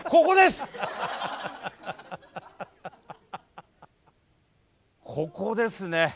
ここですね。